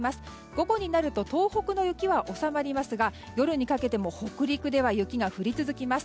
午後になると東北の雪は収まりますが夜にかけても北陸では雪が降り続きます。